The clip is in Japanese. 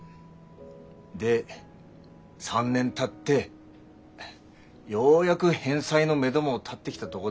で３年たってようやく返済のめども立ってきたとごで。